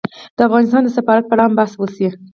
د افغانستان د سفارت په اړه هم بحث وشي